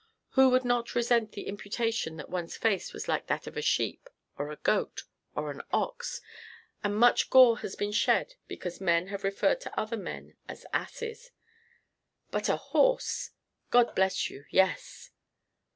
Who would not resent the imputation that one's face was like that of a sheep or a goat or an ox, and much gore has been shed because men have referred to other men as asses but a horse! God bless you, yes!